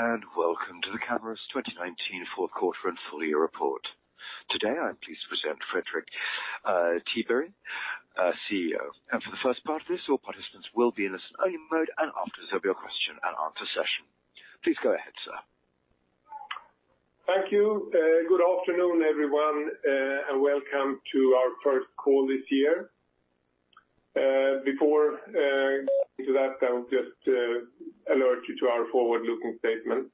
Hello, and welcome to the Camurus 2019 fourth quarter and full year report. Today, I'm pleased to present Fredrik Tiberg, CEO. For the first part of this, all participants will be in a listen-only mode, and after there'll be a question and answer session. Please go ahead, sir. Thank you. Good afternoon, everyone, and welcome to our first call this year. Before into that, I'll just alert you to our forward-looking statement.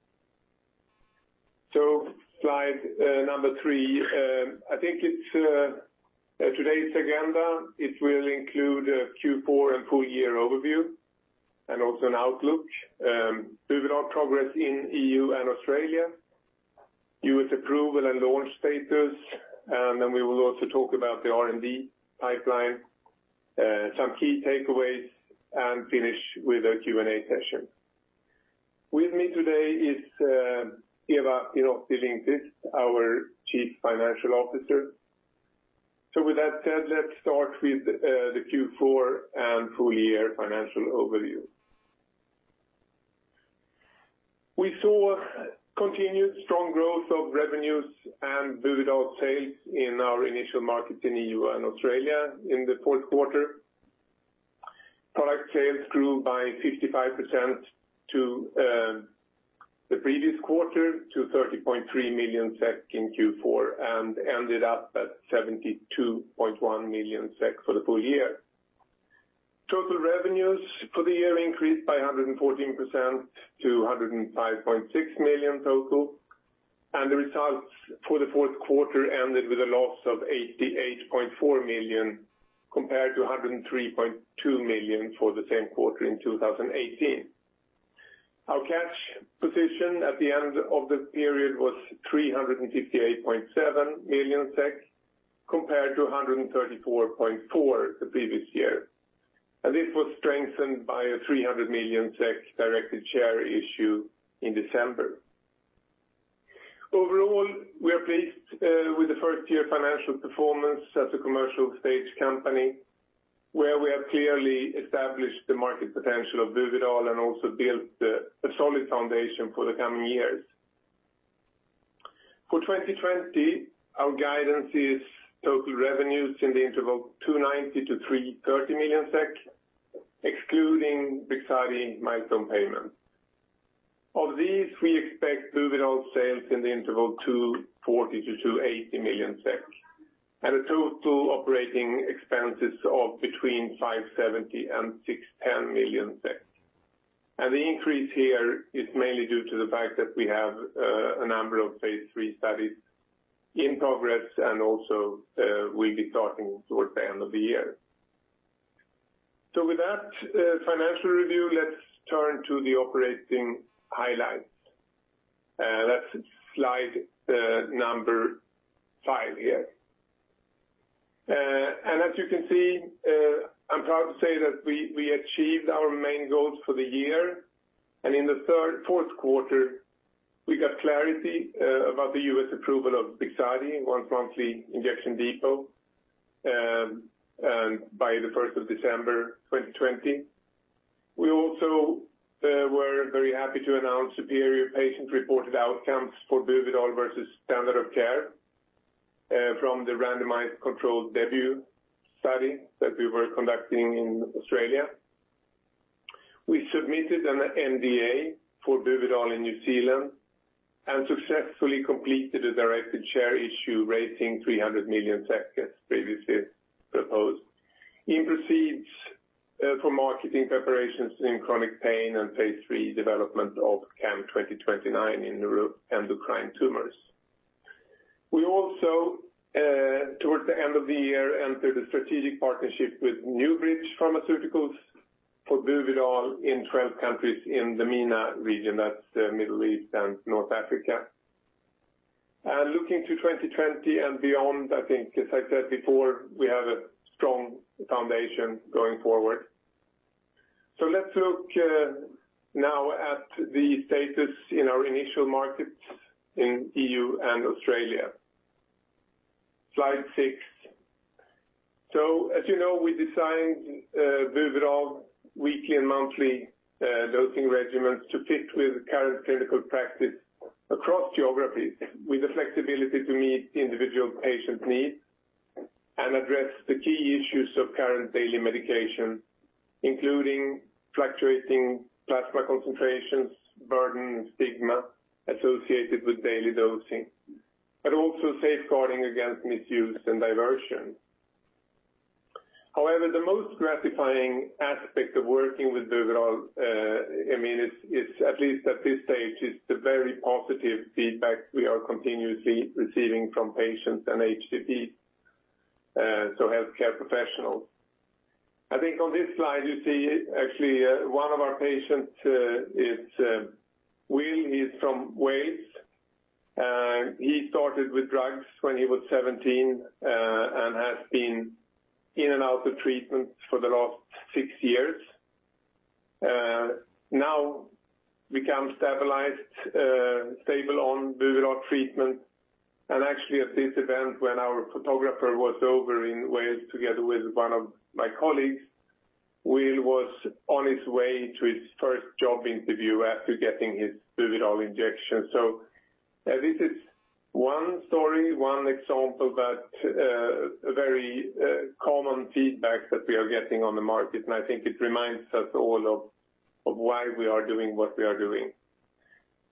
So slide number three, I think it's today's agenda, it will include a Q4 and full year overview and also an outlook, Buvidal progress in EU and Australia, U.S. approval and launch status, and then we will also talk about the R&D pipeline, some key takeaways, and finish with a Q&A session. With me today is Eva Pinotti-Lindqvist, our Chief Financial Officer. So with that said, let's start with the Q4 and full year financial overview. We saw continued strong growth of revenues and Buvidal sales in our initial markets in EU and Australia in the fourth quarter. Product sales grew by 55% to the previous quarter, to 30.3 million SEK in Q4, and ended up at 72.1 million SEK for the full year. Total revenues for the year increased by 114% to 105.6 million total, and the results for the fourth quarter ended with a loss of 88.4 million, compared to 103.2 million for the same quarter in 2018. Our cash position at the end of the period was 358.7 million SEK, compared to 134.4 million the previous year. This was strengthened by a 300 million SEK directed share issue in December. Overall, we are pleased with the first-year financial performance as a commercial stage company, where we have clearly established the market potential of Buvidal and also built a solid foundation for the coming years. For 2020, our guidance is total revenues in the interval 290 million-330 million SEK, excluding BRIXADI milestone payment. Of these, we expect Buvidal sales in the interval 240 million-280 million SEK, and a total operating expenses of between 570 million and 610 million SEK. The increase here is mainly due to the fact that we have a number of phase III studies in progress, and also, we'll be starting towards the end of the year. With that financial review, let's turn to the operating highlights. That's slide number five here. As you can see, I'm proud to say that we achieved our main goals for the year. In the fourth quarter, we got clarity about the U.S. approval of BRIXADI, once-monthly injection depot, by the first of December 2020. We also were very happy to announce superior patient-reported outcomes for Buvidal versus standard of care from the randomized controlled DEBUT study that we were conducting in Australia. We submitted an NDA for Buvidal in New Zealand and successfully completed a directed share issue, raising 300 million SEK, as previously proposed, in proceeds for marketing preparations in chronic pain and phase III development of CAM2029 in neuroendocrine tumors. We also, towards the end of the year, entered a strategic partnership with Newbridge Pharmaceuticals for Buvidal in 12 countries in the MENA region, that's the Middle East and North Africa. And looking to 2020 and beyond, I think, as I said before, we have a strong foundation going forward. So let's look, now at the status in our initial markets in EU and Australia. Slide six. So, as you know, we designed, Buvidal weekly and monthly, dosing regimens to fit with current clinical practice across geographies, with the flexibility to meet individual patient needs and address the key issues of current daily medication, including fluctuating plasma concentrations, burden, and stigma associated with daily dosing, but also safeguarding against misuse and diversion. However, the most gratifying aspect of working with Buvidal, I mean, it's at least at this stage, it's the very positive feedback we are continuously receiving from patients and HCP, so healthcare professionals. I think on this slide, you see actually one of our patients, Will, he's from Wales. He started with drugs when he was 17, and has been in and out of treatment for the last six years. Now become stabilized, stable on Buvidal treatment, and actually, at this event, when our photographer was over in Wales, together with one of my colleagues, Will was on his way to his first job interview after getting his Buvidal injection. So this is one story, one example, but, a very, common feedback that we are getting on the market, and I think it reminds us all of, of why we are doing what we are doing.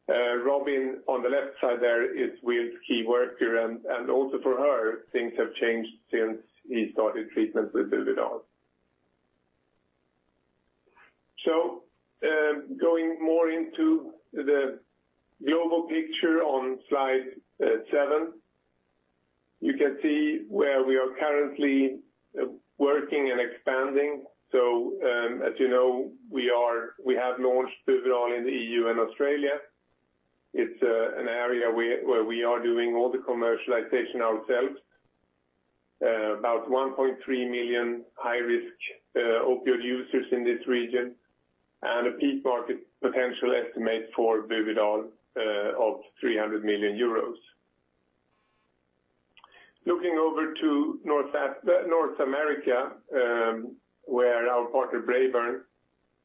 Robin, on the left side there, is Will's key worker, and, and also for her, things have changed since he started treatment with Buvidal. So, going more into the global picture on slide seven, you can see where we are currently working and expanding. So, as you know, we are -- we have launched Buvidal in the EU and Australia. It's, an area where, where we are doing all the commercialization ourselves. About 1.3 million high-risk opioid users in this region, and a peak market potential estimate for Buvidal, of 300 million euros. Looking over to North America, where our partner Braeburn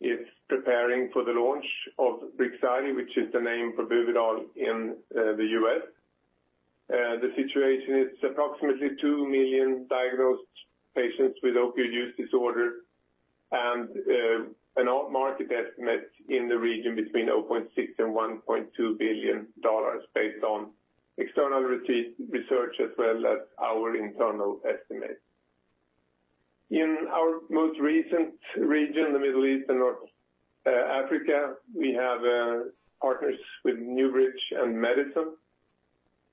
is preparing for the launch of BRIXADI, which is the name for Buvidal in the U.S. The situation is approximately two million diagnosed patients with opioid use disorder, and our market estimate in the region between $0.6 billion-$1.2 billion, based on external research, as well as our internal estimates. In our most recent region, the Middle East and North Africa, we have partners with Newbridge Pharmaceuticals. It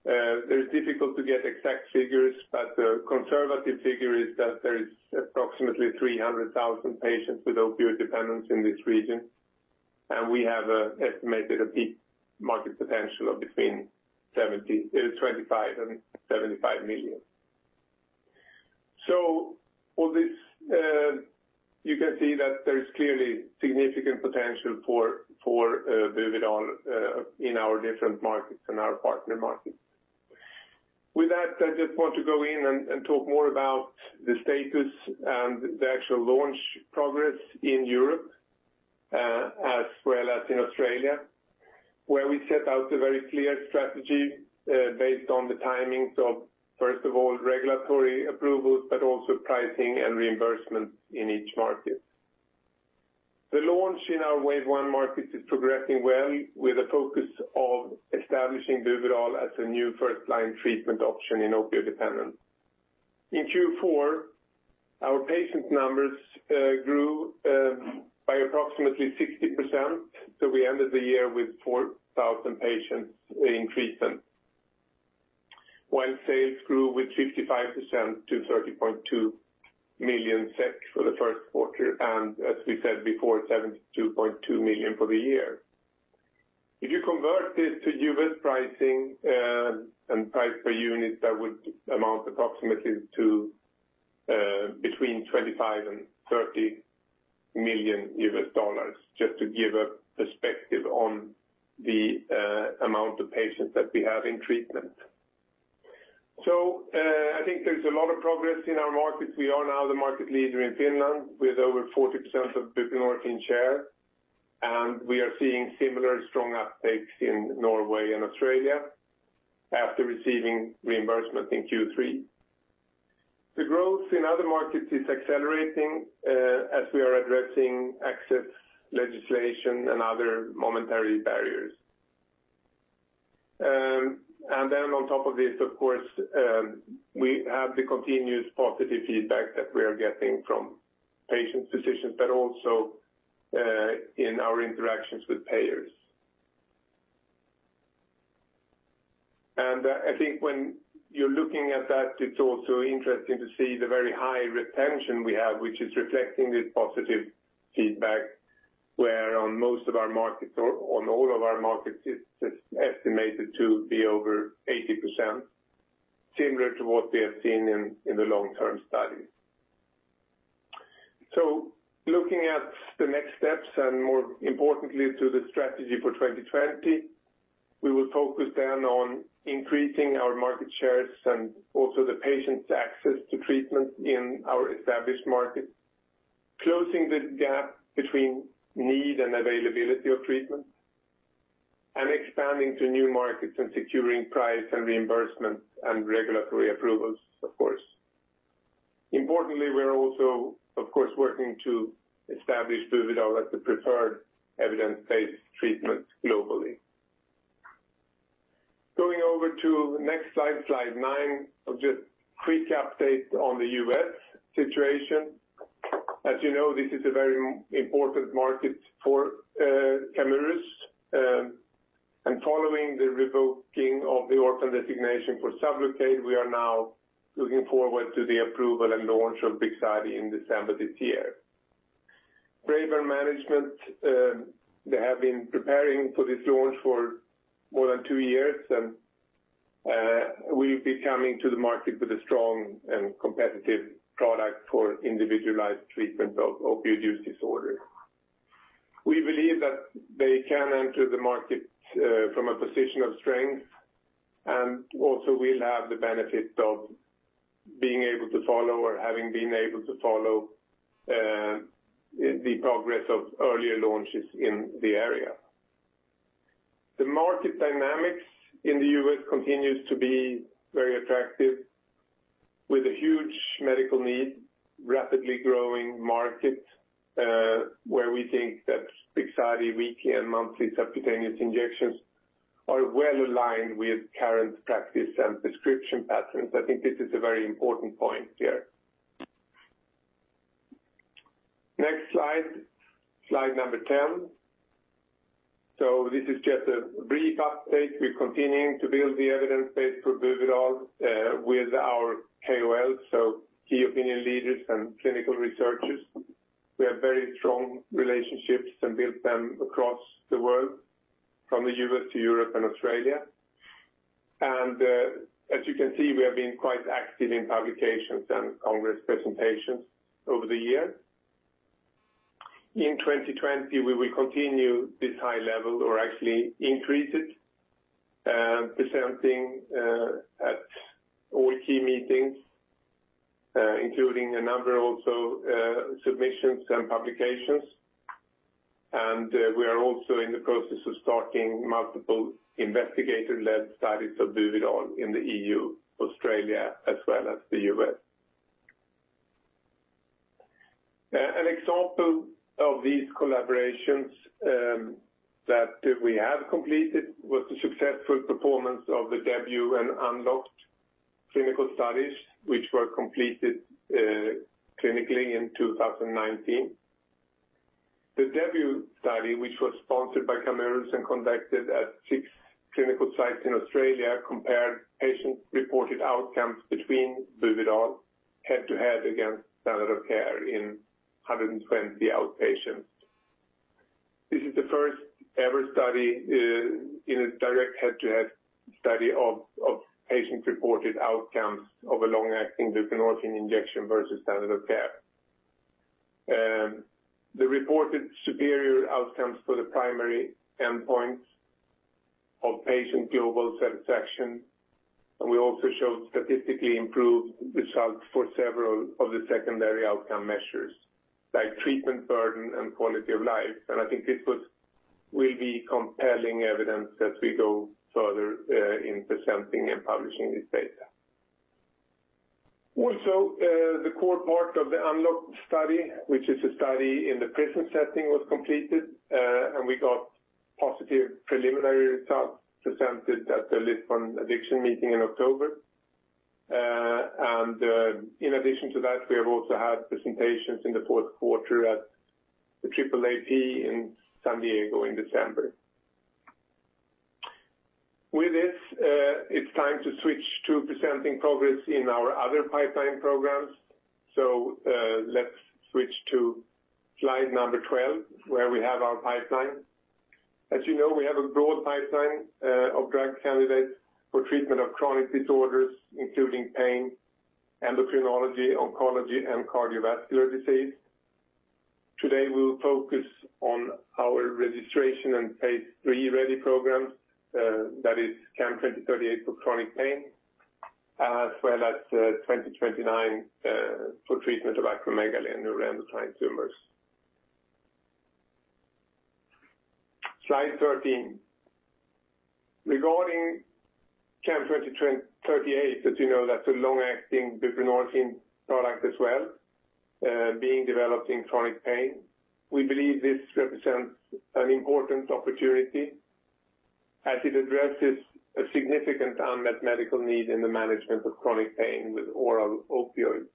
is difficult to get exact figures, but the conservative figure is that there is approximately 300,000 patients with opioid dependence in this region, and we have estimated a peak market potential of between $25 million-$75 million. So for this, you can see that there is clearly significant potential for Buvidal in our different markets and our partner markets. With that, I just want to go in and talk more about the status and the actual launch progress in Europe, as well as in Australia, where we set out a very clear strategy based on the timings of, first of all, regulatory approvals, but also pricing and reimbursement in each market. The launch in our wave one markets is progressing well, with a focus of establishing Buvidal as a new first-line treatment option in opioid dependence. In Q4, our patient numbers grew by approximately 60%, so we ended the year with 4,000 patients in treatment, while sales grew with 55% to 30.2 million SEK for the first quarter, and as we said before, 72.2 million for the year. If you convert this to U.S. pricing and price per unit, that would amount approximately to between $25 million and $30 million, just to give a perspective on the amount of patients that we have in treatment. So, I think there's a lot of progress in our markets. We are now the market leader in Finland, with over 40% of buprenorphine share, and we are seeing similar strong uptakes in Norway and Australia after receiving reimbursement in Q3. The growth in other markets is accelerating as we are addressing access, legislation, and other momentary barriers. And then on top of this, of course, we have the continuous positive feedback that we are getting from patients, physicians, but also in our interactions with payers. And I think when you're looking at that, it's also interesting to see the very high retention we have, which is reflecting this positive feedback, where on most of our markets or on all of our markets, it's estimated to be over 80%, similar to what we have seen in the long-term study. So looking at the next steps, and more importantly, to the strategy for 2020, we will focus then on increasing our market shares and also the patient's access to treatment in our established markets, closing the gap between need and availability of treatment, and expanding to new markets and securing price and reimbursement and regulatory approvals, of course. Importantly, we are also, of course, working to establish Buvidal as the preferred evidence-based treatment globally. Going over to the next slide, slide nine, just a quick update on the U.S. situation. As you know, this is a very important market for Camurus, and following the revoking of the orphan designation for Sublocade, we are now looking forward to the approval and launch of BRIXADI in December this year. Braeburn management, they have been preparing for this launch for more than two years, and, we'll be coming to the market with a strong and competitive product for individualized treatment of opioid use disorder.... that they can enter the market, from a position of strength, and also will have the benefit of being able to follow or having been able to follow, the progress of earlier launches in the area. The market dynamics in the U.S. continues to be very attractive, with a huge medical need, rapidly growing market, where we think that weekly and monthly subcutaneous injections are well aligned with current practice and prescription patterns. I think this is a very important point here. Next slide, slide number 10. So this is just a brief update. We're continuing to build the evidence base for Buvidal, with our KOLs, so key opinion leaders and clinical researchers. We have very strong relationships and build them across the world, from the U.S. to Europe and Australia. As you can see, we have been quite active in publications and congress presentations over the years. In 2020, we will continue this high level or actually increase it, presenting at all key meetings, including a number also, submissions and publications. We are also in the process of starting multiple investigator-led studies of Buvidal in the E.U., Australia, as well as the U.S. An example of these collaborations that we have completed was the successful performance of the DEBUT and Unlocked clinical studies, which were completed clinically in 2019. The DEBUT study, which was sponsored by Camurus and conducted at six clinical sites in Australia, compared patient-reported outcomes between Buvidal head-to-head against standard of care in 120 outpatients. This is the first-ever study in a direct head-to-head study of patient-reported outcomes of a long-acting buprenorphine injection versus standard of care. The reported superior outcomes for the primary endpoint of patient global satisfaction, and we also showed statistically improved results for several of the secondary outcome measures, like treatment burden and quality of life. I think this will be compelling evidence as we go further in presenting and publishing this data. Also, the core part of the Unlocked study, which is a study in the prison setting, was completed, and we got positive preliminary results presented at the Lisbon Addiction Meeting in October. And, in addition to that, we have also had presentations in the fourth quarter at the AAAP in San Diego in December. With this, it's time to switch to presenting progress in our other pipeline programs. So, let's switch to slide number 12, where we have our pipeline. As you know, we have a broad pipeline, of drug candidates for treatment of chronic disorders, including pain, endocrinology, oncology, and cardiovascular disease. Today, we will focus on our registration and phase III-ready programs, that is CAM2038 for chronic pain, as well as, CAM2029, for treatment of acromegaly and neuroendocrine tumors. Slide 13. Regarding CAM2038, as you know, that's a long-acting buprenorphine product as well, being developed in chronic pain. We believe this represents an important opportunity as it addresses a significant unmet medical need in the management of chronic pain with oral opioids.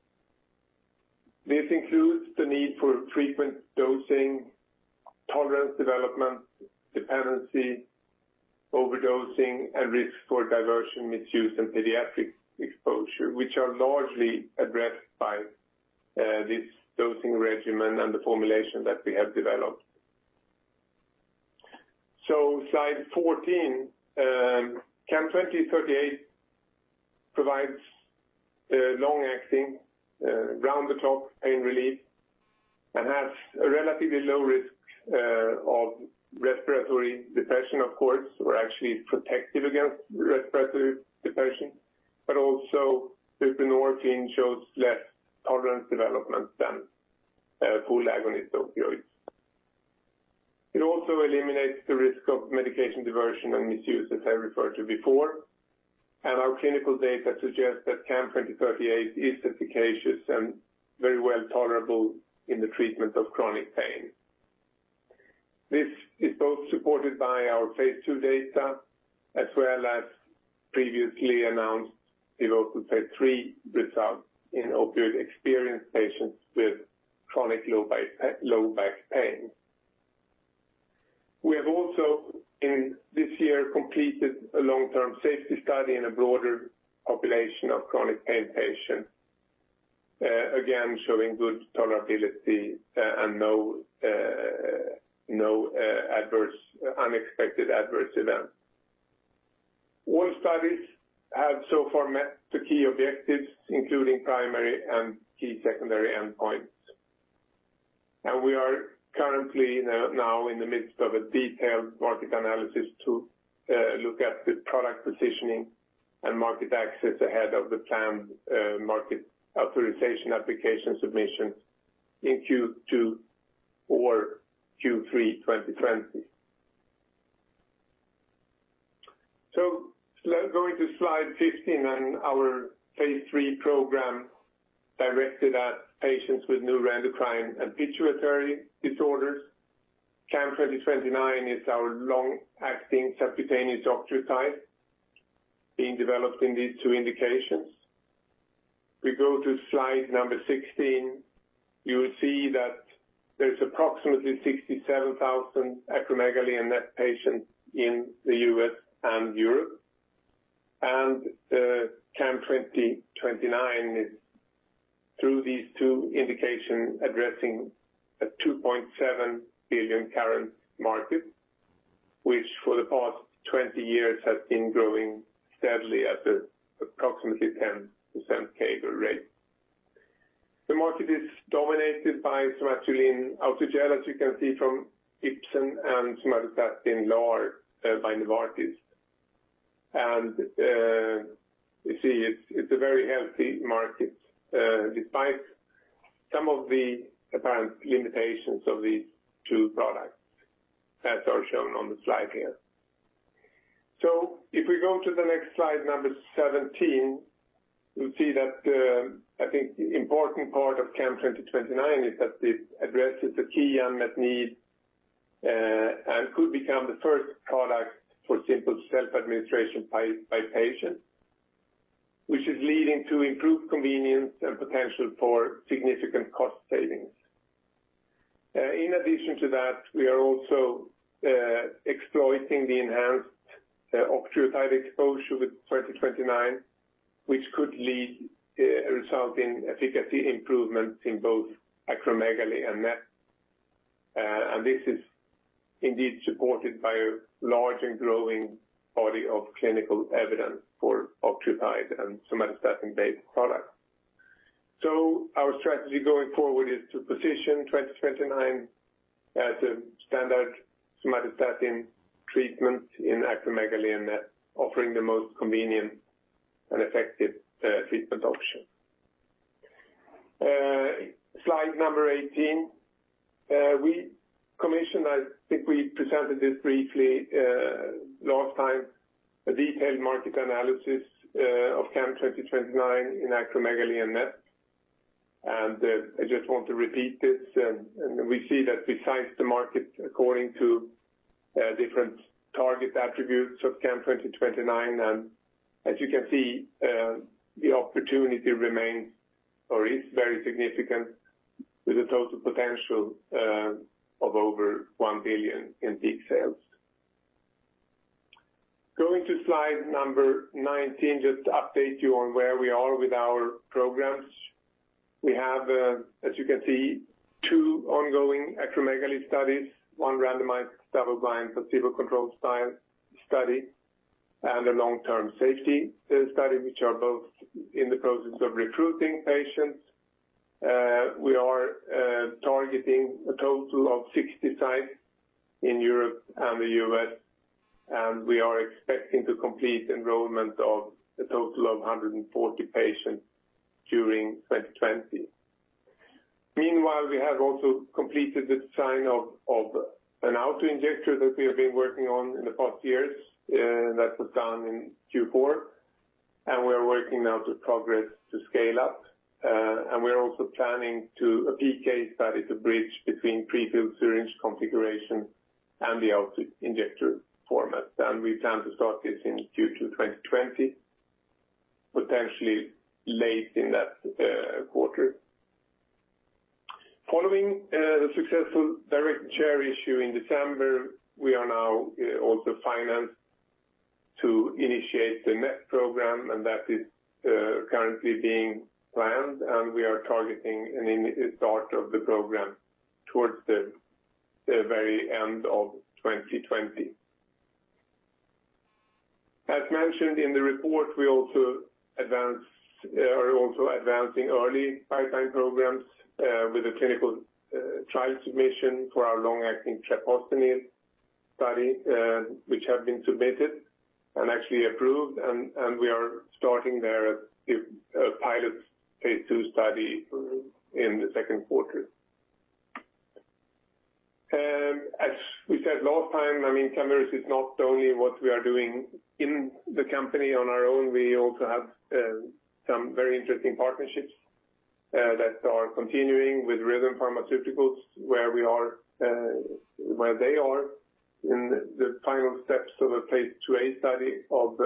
This includes the need for frequent dosing, tolerance development, dependency, overdosing, and risk for diversion, misuse, and pediatric exposure, which are largely addressed by this dosing regimen and the formulation that we have developed. So slide 14, CAM2038 provides long-acting round-the-clock pain relief and has a relatively low risk of respiratory depression, of course, or actually protective against respiratory depression, but also buprenorphine shows less tolerance development than full agonist opioids. It also eliminates the risk of medication diversion and misuse, as I referred to before. And our clinical data suggests that CAM2038 is efficacious and very well tolerable in the treatment of chronic pain. This is both supported by our phase II data, as well as previously announced development phase III results in opioid-experienced patients with chronic low back, low back pain. We have also, in this year, completed a long-term safety study in a broader population of chronic pain patients, again, showing good tolerability, and no, no, unexpected adverse events. All studies have so far met the key objectives, including primary and key secondary endpoints. We are currently now in the midst of a detailed market analysis to look at the product positioning and market access ahead of the planned market authorization application submission in Q2 or Q3 2020. Let's go into slide 15 on our phase III program directed at patients with neuroendocrine and pituitary disorders. CAM2029 is our long-acting subcutaneous octreotide being developed in these two indications. We go to slide number 16, you will see that there's approximately 67,000 acromegaly and NET patients in the U.S. and Europe. The CAM2029 is through these two indications, addressing a $2.7 billion current market, which for the past 20 years has been growing steadily at approximately 10% CAGR rate. The market is dominated by Somatuline Autogel, as you can see from Ipsen and Sandostatin LAR by Novartis. You see, it's a very healthy market, despite some of the apparent limitations of these two products, as are shown on the slide here. So if we go to the next slide, number 17, you'll see that, I think the important part of CAM2029 is that it addresses a key unmet need, and could become the first product for simple self-administration by, by patients, which is leading to improved convenience and potential for significant cost savings. In addition to that, we are also exploiting the enhanced octreotide exposure with CAM2029, which could lead, result in efficacy improvements in both acromegaly and NET. And this is indeed supported by a large and growing body of clinical evidence for octreotide and somatostatin-based products. So our strategy going forward is to position 2029 as a standard somatostatin treatment in acromegaly and NET, offering the most convenient and effective treatment option. Slide number 18. We commissioned, I think we presented this briefly, last time, a detailed market analysis of CAM2029 in acromegaly and NET. And, I just want to repeat this, and, and we see that we size the market according to different target attributes of CAM2029. And as you can see, the opportunity remains or is very significant with a total potential of over $1 billion in peak sales. Going to slide number 19, just to update you on where we are with our programs. We have, as you can see, two ongoing acromegaly studies, one randomized double-blind placebo-controlled science study, and a long-term safety study, which are both in the process of recruiting patients. We are targeting a total of 60 sites in Europe and the U.S., and we are expecting to complete enrollment of a total of 140 patients during 2020. Meanwhile, we have also completed the design of an auto-injector that we have been working on in the past years, that was done in Q4, and we are working now to progress to scale up. We are also planning to a PK study to bridge between prefilled syringe configuration and the auto-injector format. We plan to start this in Q2 2020, potentially late in that quarter. Following the successful direct share issue in December, we are now also financed to initiate the NET program, and that is currently being planned, and we are targeting an immediate start of the program towards the very end of 2020. As mentioned in the report, we also advanced—are also advancing early pipeline programs, with a clinical trial submission for our long-acting treprostinil study, which have been submitted and actually approved, and we are starting their pilot phase II study in the second quarter. As we said last time, I mean, Camurus is not only what we are doing in the company on our own, we also have some very interesting partnerships that are continuing with Rhythm Pharmaceuticals, where they are in the final steps of a phase II-A study of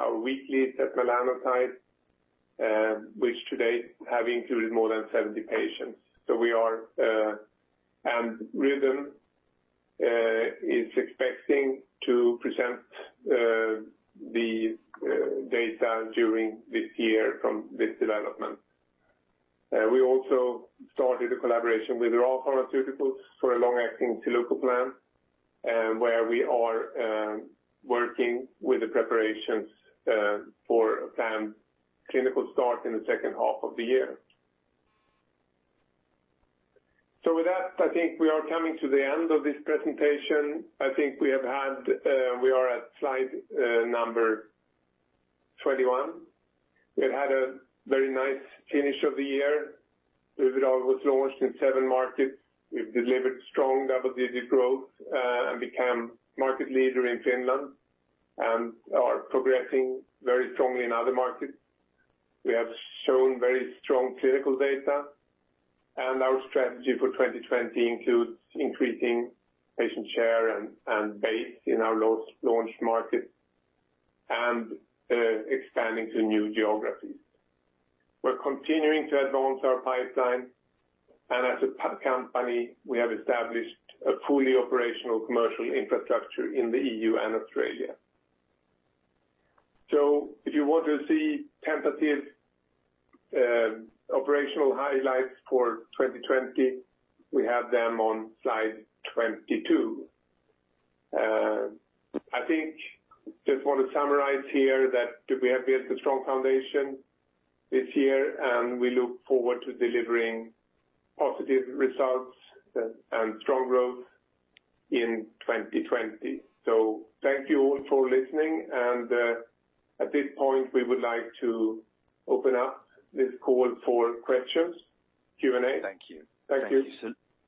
our weekly setmelanotide, which today have included more than 70 patients. We are—and Rhythm is expecting to present the data during this year from this development. We also started a collaboration with Ra Pharmaceuticals for a long-acting zilucoplan, and where we are working with the preparations for planned clinical start in the second half of the year. So with that, I think we are coming to the end of this presentation. I think we have had, we are at slide number 21. We've had a very nice finish of the year. Buvidal was launched in seven markets. We've delivered strong double-digit growth, and became market leader in Finland, and are progressing very strongly in other markets. We have shown very strong clinical data, and our strategy for 2020 includes increasing patient share and base in our launched markets and expanding to new geographies. We're continuing to advance our pipeline, and as a company, we have established a fully operational commercial infrastructure in the EU and Australia. So if you want to see tentative operational highlights for 2020, we have them on slide 22. I think just want to summarize here that we have built a strong foundation this year, and we look forward to delivering positive results and strong growth in 2020. So thank you all for listening, and at this point, we would like to open up this call for questions, Q&A. Thank you. Thank you.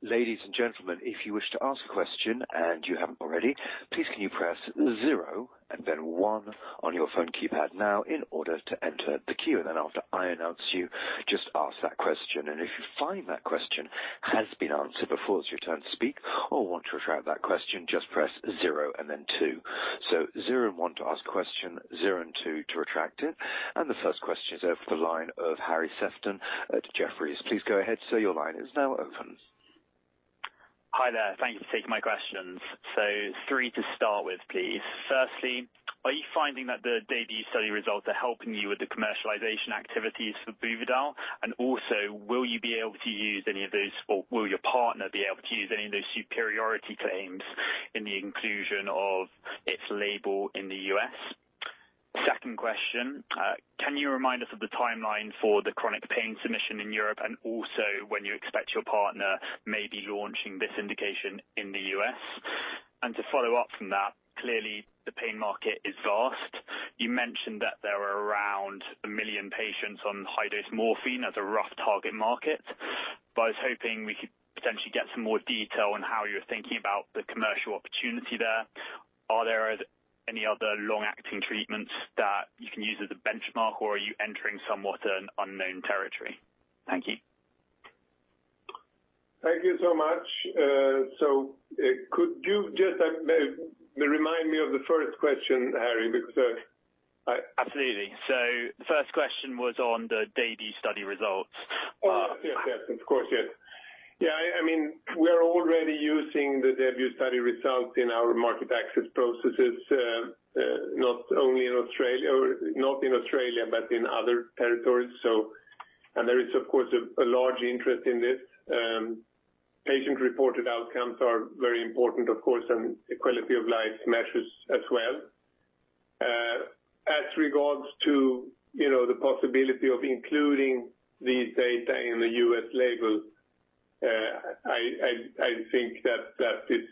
Ladies and gentlemen, if you wish to ask a question and you haven't already, please can you press 0 and then one on your phone keypad now in order to enter the queue. And then after I announce you, just ask that question. And if you find that question has been answered before it's your turn to speak or want to retract that question, just press 0 and then two. So 0 and one to ask a question, 0 and two to retract it. And the first question is over the line of Harry Sephton at Jefferies. Please go ahead, sir. Your line is now open. Hi there. Thank you for taking my questions. So three to start with, please. Firstly, are you finding that the DEBUT study results are helping you with the commercialization activities for Buvidal? And also, will you be able to use any of those, or will your partner be able to use any of those superiority claims in the inclusion of its label in the U.S.? Second question, can you remind us of the timeline for the chronic pain submission in Europe, and also when you expect your partner may be launching this indication in the U.S.? And to follow up from that, clearly, the pain market is vast. You mentioned that there are around one million patients on high-dose morphine as a rough target market, but I was hoping we could potentially get some more detail on how you're thinking about the commercial opportunity there. Are there any other long-acting treatments that you can use as a benchmark, or are you entering somewhat an unknown territory? Thank you. Thank you so much. So, could you just remind me of the first question, Harry, because I- Absolutely. So the first question was on the DEBUT study results. Oh, yes, yes, of course, yes. Yeah, I mean, we are already using the DEBUT study results in our market access processes, not only in Australia, or not in Australia, but in other territories. So and there is, of course, a large interest in this. Patient-reported outcomes are very important, of course, and quality of life measures as well. As regards to, you know, the possibility of including these data in the U.S. label, I think that is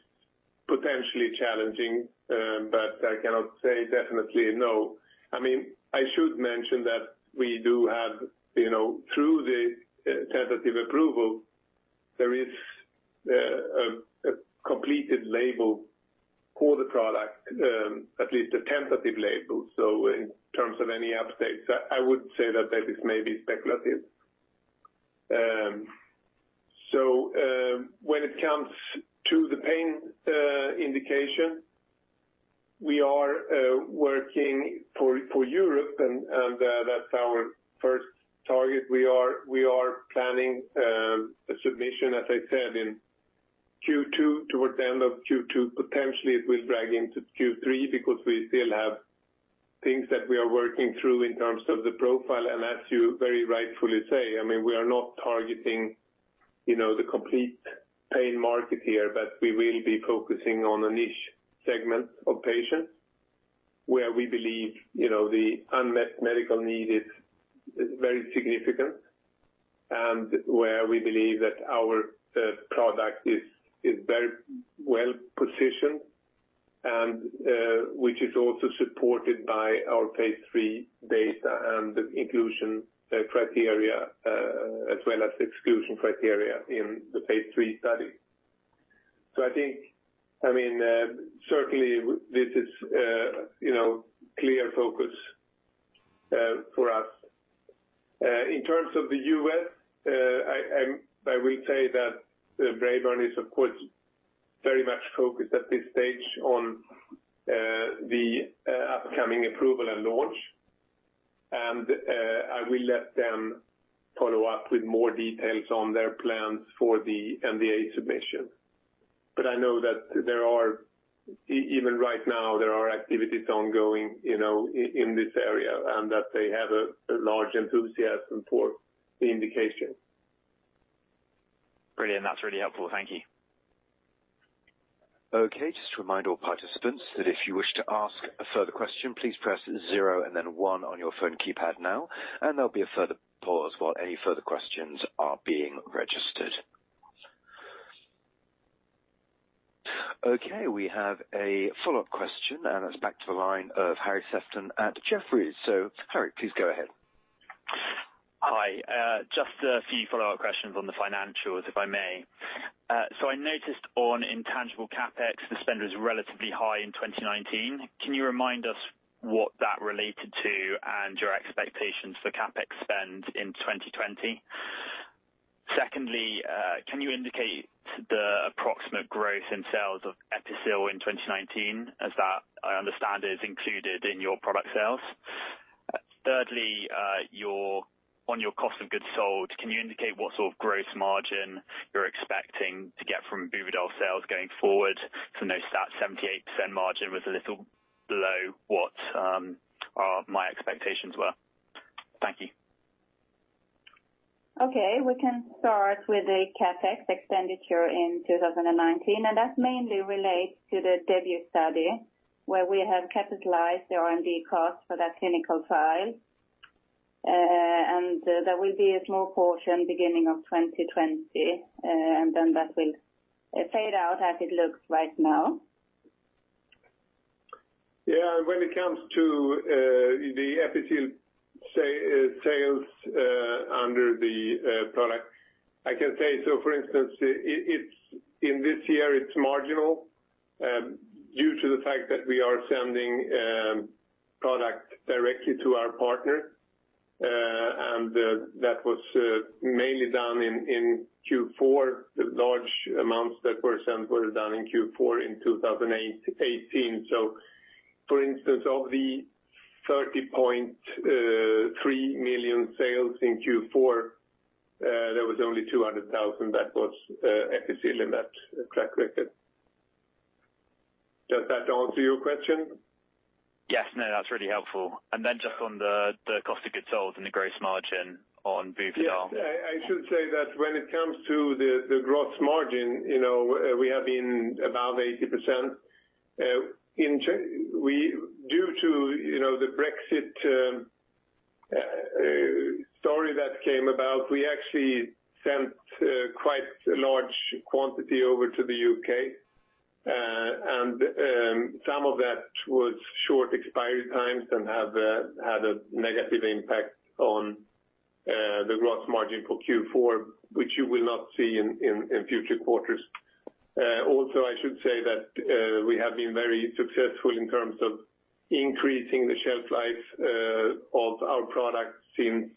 potentially challenging, but I cannot say definitely no. I mean, I should mention that we do have, you know, through the tentative approval, there is a completed label for the product, at least a tentative label. So in terms of any updates, I would say that is maybe speculative. So, when it comes to the pain indication, we are working for Europe, and that's our first target. We are planning a submission, as I said, in Q2, towards the end of Q2. Potentially, it will drag into Q3 because we still have things that we are working through in terms of the profile. As you very rightfully say, I mean, we are not targeting, you know, the complete pain market here, but we will be focusing on a niche segment of patients where we believe, you know, the unmet medical need is very significant, and where we believe that our product is very well positioned, and which is also supported by our phase III data and the inclusion criteria, as well as exclusion criteria in the phase III study. So I think, I mean, certainly this is, you know, clear focus for us. In terms of the U.S., I will say that Braeburn is, of course, very much focused at this stage on the upcoming approval and launch, and I will let them follow up with more details on their plans for the NDA submission. But I know that there are, even right now, there are activities ongoing, you know, in this area, and that they have a large enthusiasm for the indication. Brilliant, that's really helpful. Thank you. Okay, just to remind all participants that if you wish to ask a further question, please press 0 and then one on your phone keypad now, and there'll be a further pause while any further questions are being registered. Okay, we have a follow-up question, and it's back to the line of Harry Sephton at Jefferies. So Harry, please go ahead. Hi, just a few follow-up questions on the financials, if I may. So I noticed on intangible CapEx, the spend was relatively high in 2019. Can you remind us what that related to and your expectations for CapEx spend in 2020? Secondly, can you indicate the approximate growth in sales of Episil in 2019, as that, I understand, is included in your product sales? Thirdly, on your cost of goods sold, can you indicate what sort of gross margin you're expecting to get from Buvidal sales going forward? So no, that 78% margin was a little below what my expectations were. Thank you. Okay, we can start with the CapEx expenditure in 2019, and that mainly relates to the DEBUT study, where we have capitalized the R&D cost for that clinical trial. There will be a small portion beginning of 2020, and then that will fade out as it looks right now. Yeah, when it comes to the Episil sales under the product, I can say, so for instance, it's, in this year, it's marginal, due to the fact that we are sending product directly to our partner. And that was mainly done in Q4. The large amounts that were sent were done in Q4 in 2018. So for instance, of the 30.3 million sales in Q4, there was only 200,000 that was Episil in that track record. Does that answer your question? Yes. No, that's really helpful. And then just on the cost of goods sold and the gross margin on Buvidal. Yes, I should say that when it comes to the gross margin, you know, we have been above 80%. In January, we, due to, you know, the Brexit story that came about, we actually sent quite a large quantity over to the U.K., and some of that was short expiry times and have had a negative impact on the gross margin for Q4, which you will not see in future quarters. Also, I should say that we have been very successful in terms of increasing the shelf life of our products since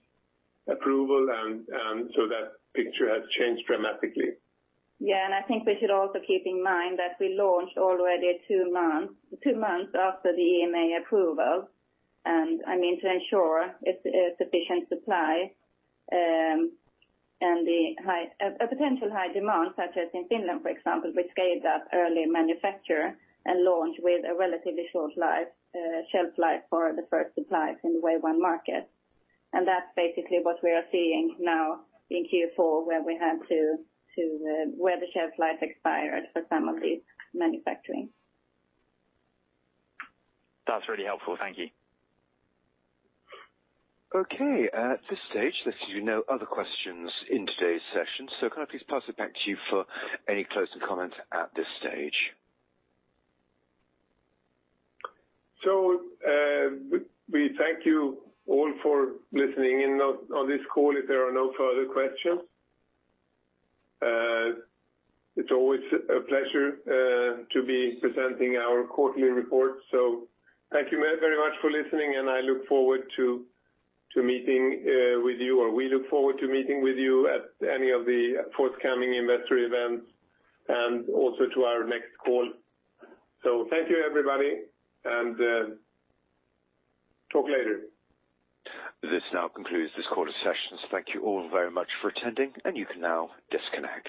approval, and so that picture has changed dramatically. Yeah, and I think we should also keep in mind that we launched already two months, two months after the EMA approval, and I mean, to ensure a sufficient supply, and a high potential demand, such as in Finland, for example, we scaled up early manufacture and launched with a relatively short shelf life for the first supplies in the wave one market. And that's basically what we are seeing now in Q4, where we had to, where the shelf life expired for some of the manufacturing. That's really helpful. Thank you. Okay, at this stage, there's no other questions in today's session, so can I please pass it back to you for any closing comments at this stage? We thank you all for listening in on this call if there are no further questions. It's always a pleasure to be presenting our quarterly report. So thank you very, very much for listening, and I look forward to meeting with you, or we look forward to meeting with you at any of the forthcoming investor events and also to our next call. Thank you, everybody, and talk later. This nowf concludes this quarter's session. Thank you all very much for attending, and you can now disconnect.